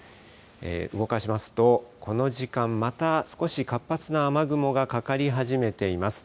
動かしますと、この時間、また少し活発な雨雲がかかり始めています。